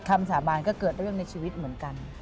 คำสามารถก็เกิดได้บ้างในชีวิตเหมือนกัน